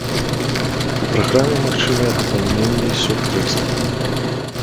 У праграме магчымыя дапаўненні і сюрпрызы.